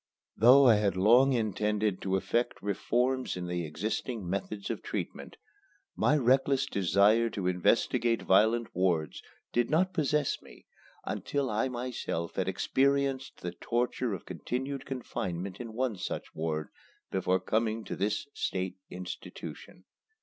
Though I had long intended to effect reforms in existing methods of treatment, my reckless desire to investigate violent wards did not possess me until I myself had experienced the torture of continued confinement in one such ward before coming to this state institution.